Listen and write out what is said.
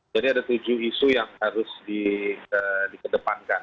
jadi ada tujuh isu yang harus dikedepankan